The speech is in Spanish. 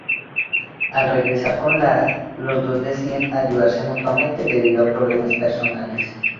Al regresar con Lara, los dos deciden ayudarse mutuamente debido a problemas personales.